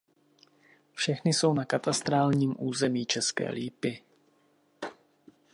Všechny jsou na katastrálním území České Lípy.